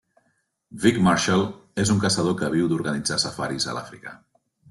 Vic Marshall és un caçador que viu d'organitzar safaris a l'Àfrica.